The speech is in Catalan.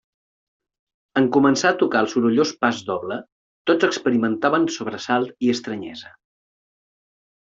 En començar a tocar el sorollós pasdoble, tots experimentaven sobresalt i estranyesa.